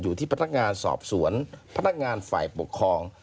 ที่พนักงานสอบสวนพนักงานฝ่ายปกครอง